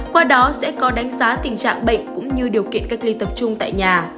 qua đó sẽ có đánh giá tình trạng bệnh cũng như điều kiện cách ly tập trung tại nhà